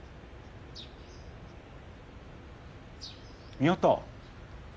・宮田。